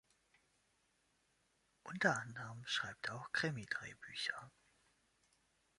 Unter anderem schreibt er auch Krimi-Drehbücher.